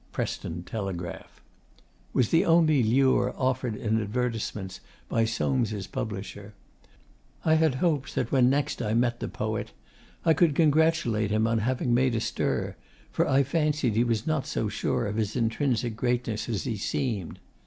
Preston Telegraph was the only lure offered in advertisements by Soames' publisher. I had hopes that when next I met the poet I could congratulate him on having made a stir; for I fancied he was not so sure of his intrinsic greatness as he seemed.